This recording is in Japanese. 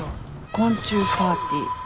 昆虫パーティー。